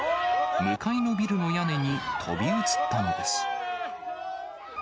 向かいのビルの屋根に飛び移ったのです。